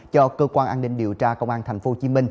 cho cơ quan an ninh điều tra công an tp hcm